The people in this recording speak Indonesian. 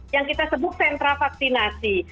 yang kita sebut sentra vaksinasi